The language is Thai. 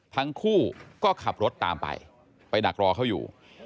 ทั้งคู่ก็ขับรถตามไปไปดักรอเขาอยู่